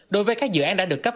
đối với các dự án đã được cấp